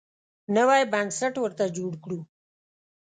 نوی بنسټ ورته جوړ کړو.